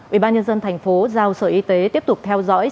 ubnd tp giao sở y tế tiếp tục theo dõi